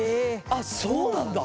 あっそうなんだ。